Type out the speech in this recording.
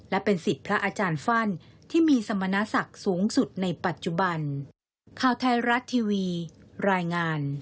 และเป็นสิทธิ์พระอาจารย์ฟั่นที่มีสมณศักดิ์สูงสุดในปัจจุบัน